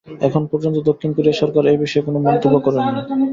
এখন পর্যন্ত দক্ষিণ কোরিয়া সরকার এই বিষয়ে কোনও মন্তব্য করেনি।